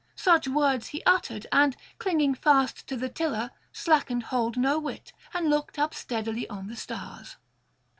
Such words he uttered, and, clinging fast to the tiller, slackened hold no whit, and looked up steadily on the stars.